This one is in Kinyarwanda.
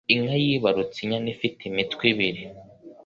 Inka yibarutse inyana ifite imitwe ibiri.